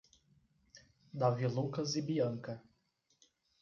Davi Lucas e Bianca